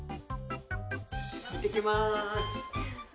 いってきます。